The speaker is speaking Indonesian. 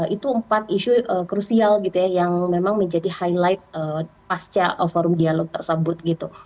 itu empat isu krusial gitu ya yang memang menjadi highlight pasca forum dialog tersebut gitu